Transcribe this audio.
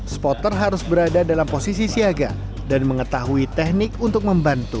spotter harus berada dalam posisi siaga dan mengetahui teknik untuk membantu